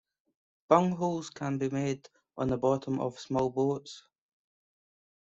Bungholes can be made on the bottom of small boats.